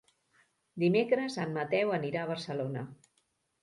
Dimecres en Mateu anirà a Barcelona.